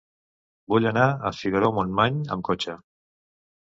Vull anar a Figaró-Montmany amb cotxe.